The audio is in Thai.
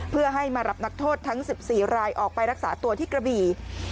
เพื่อให้มารับนักโทษทั้ง๑๔รายออกไปรักษาตัวที่กระบี่